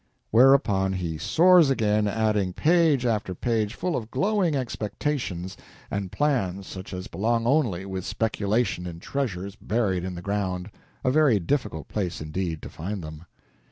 Whereupon he soars again, adding page after page full of glowing expectations and plans such as belong only with speculation in treasures buried in the ground a very difficult place, indeed, to find them.